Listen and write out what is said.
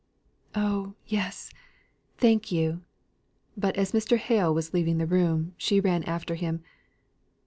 "Oh, yes thank you." But as Mr. Hale was leaving the room, she ran after him.